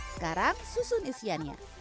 sekarang susun isiannya